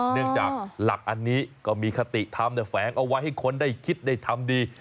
เนื่องจากหลักอันนี้ก็มีคติธรรมแฝงเอาไว้ให้คนได้คิดได้ทำดี